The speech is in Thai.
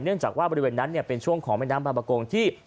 เนื่องจากว่าบริเวณนั้นเนี่ยเป็นช่วงของบรรบกงที่